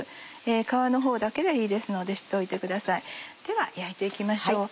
皮のほうだけでいいですのでしておいてください。では焼いて行きましょう。